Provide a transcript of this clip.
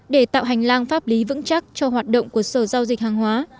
để tạo hành lang pháp lý vững chắc cho hoạt động của sở giao dịch hàng hóa